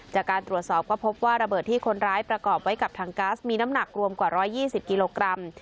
จากการตรวจสอบก็พบว่าระเบิดที่คนร้ายประกอบไว้กับถังก๊าซมีน้ำหนักรวมกว่า๑๒๐กิโลกรัม